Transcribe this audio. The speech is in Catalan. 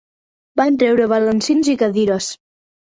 Van treure balancins i cadires